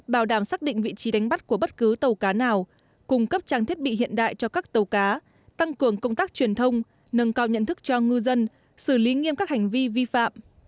bảo đảm xác định vị trí đánh bắt của bất cứ tàu cá nào cung cấp trang thiết bị hiện đại cho các tàu cá tăng cường công tác truyền thông nâng cao nhận thức cho ngư dân xử lý nghiêm các hành vi vi phạm